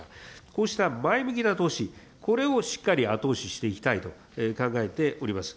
こうした前向きな投資、これをしっかり後押ししていきたいと考えております。